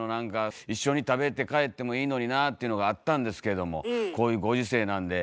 一緒に食べて帰ってもいいのになっていうのがあったんですけれどもこういうご時世なんで。